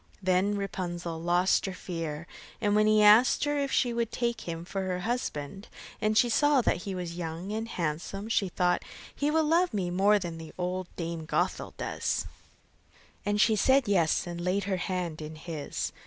Then Rapunzel lost her fear, and when he asked her if she would take him for her husband, and she saw that he was young and handsome, she thought: 'He will love me more than old Dame Gothel does'; and she said yes, and laid her hand in his.